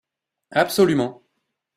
Absolument